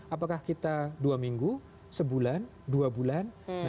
apakah kita dua minggu satu bulan dua bulan